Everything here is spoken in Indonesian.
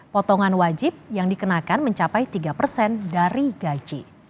potongan wajib yang dikenakan mencapai tiga persen dari gaji